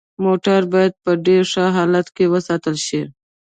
موټر باید په ډیر ښه حالت کې وساتل شي